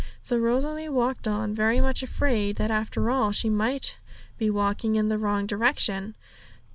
So Rosalie walked on, very much afraid that after all she might be walking in the wrong direction.